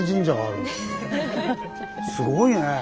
すごいね！